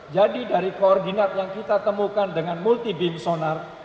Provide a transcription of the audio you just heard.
jadi dari koordinat yang kita temukan dengan multi beam sonar